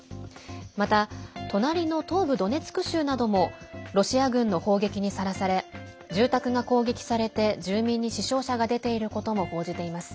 また、隣の東部ドネツク州などもロシア軍の砲撃にさらされ住宅が攻撃されて住民に死傷者が出ていることも報じています。